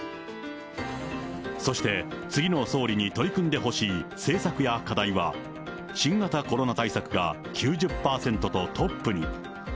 そして、次の総理に取り組んでほしい政策や課題は、新型コロナ対策が９０％とトップに。